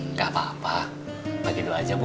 nggak apa apa bagi dua aja bu